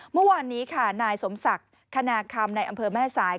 เมื่อวานนี้ค่ะนายสมศักดิ์คณาคำในอำเภอแม่สาย